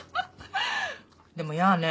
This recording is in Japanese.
でもやあね。